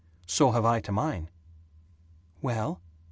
"So have I to mine!" "Well?"